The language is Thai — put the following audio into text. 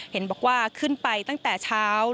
เห็นบอกว่าขึ้นไปตั้งแต่เช้า